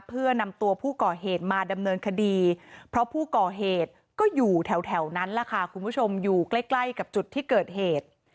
เพื่อนำตัวผู้ก่อเหตุมาดำเนินคดีเพราะผู้ก่อเหตุก็อยู่แถวนั้นแหละค่ะคุณผู้ชมอยู่ใกล้ใกล้กับจุดที่เกิดเหตุ